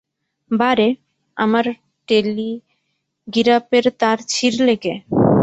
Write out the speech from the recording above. বা রে, আমার টেলিগিরাপের তার ছিঁড়লে কে?